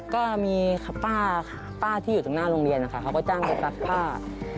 ก็มีป้าที่อยู่ตรงหน้าโรงเรียนนะคะเขาก็จ้างไปซักผ้า